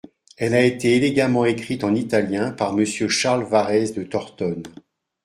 Elle a été élégamment écrite en italien par Monsieur Charles Varese de Tortone.